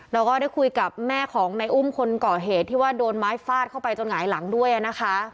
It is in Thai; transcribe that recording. เราก็ได้คุยกับแม่ของในอุ้มคนก่อเหตุที่ว่าโดนไม้ฟาดเข้าไปจนหงายหลังด้วยนะคะ